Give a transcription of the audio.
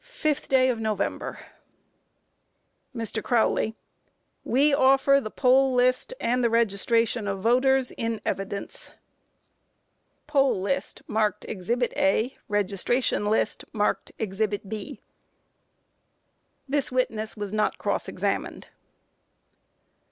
5th day of November. MR. CROWLEY: We offer the poll list and the registration of voters in evidence. [Poll list marked Ex. "A." Registration list, marked Ex. "B."] [This witness was not cross examined.